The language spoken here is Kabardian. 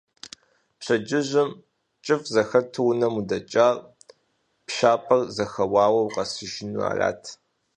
Пщэдджыжьым, кӀыфӀ зэхэту унэм удэкӀар, пшапэр зэхэуауэ укъэсыжу арат.